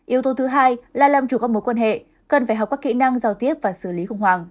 yếu tố thứ hai là làm chủ các mối quan hệ cần phải học các kỹ năng giao tiếp và xử lý khủng hoảng